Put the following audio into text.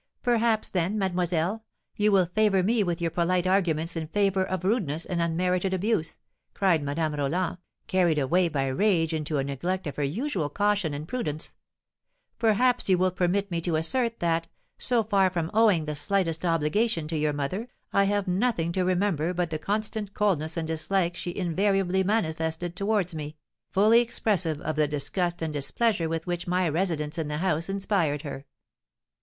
'Perhaps, then, mademoiselle, you will favour me with your polite arguments in favour of rudeness and unmerited abuse,' cried Madame Roland, carried away by rage into a neglect of her usual caution and prudence; 'perhaps you will permit me to assert that, so far from owing the slightest obligation to your mother, I have nothing to remember but the constant coldness and dislike she invariably manifested towards me, fully expressive of the disgust and displeasure with which my residence in the house inspired her.'